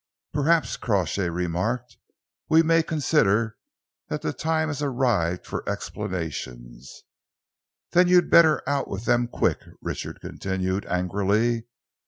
"Perhaps," Crawshay remarked, "we may consider that the time has arrived for explanations." "Then you'd better out with them quick," Richard continued angrily.